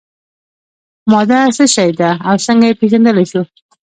ماده څه شی ده او څنګه یې پیژندلی شو.